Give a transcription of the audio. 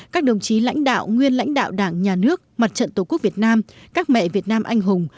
các đồng chí lãnh đạo nguyên lãnh đạo đảng nhà nước mặt trận tổ quốc việt nam các mẹ việt nam anh hùng